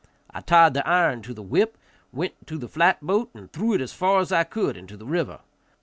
I tied the iron to the whip, went into the flat boat, and threw it as far as I could into the river.